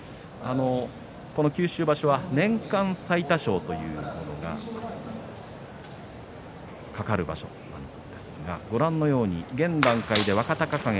この九州場所は年間最多勝というものが懸かる場所ですが現段階で若隆景、